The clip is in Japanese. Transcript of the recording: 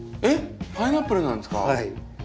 えっパイナップルなんですか？